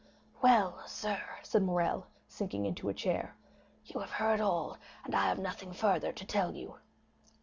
"Well, sir," said Morrel, sinking into a chair, "you have heard all, and I have nothing further to tell you."